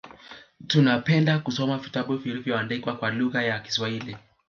Tunapenda kusoma vitabu vilivyoandikwa kwa lugha ya Kiswahili